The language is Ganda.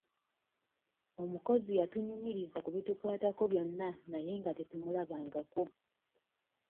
Omukozi yatunyumirizza ku bitukwatako byonna naye nga tetumulabangako.